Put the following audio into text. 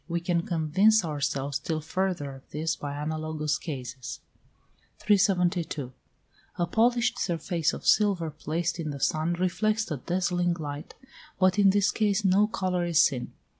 We can convince ourselves still further of this by analogous cases. 372. A polished surface of silver placed in the sun reflects a dazzling light, but in this case no colour is seen.